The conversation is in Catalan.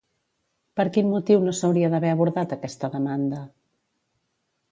Per quin motiu no s'hauria d'haver abordat aquesta demanda?